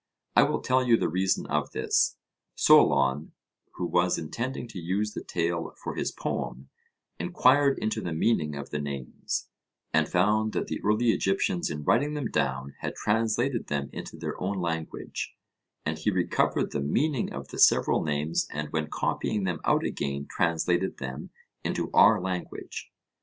I will tell you the reason of this: Solon, who was intending to use the tale for his poem, enquired into the meaning of the names, and found that the early Egyptians in writing them down had translated them into their own language, and he recovered the meaning of the several names and when copying them out again translated them into our language.